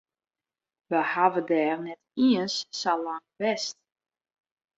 We hawwe dêr net iens sa lang west.